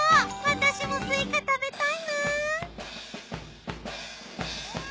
私もスイカ食べたいな。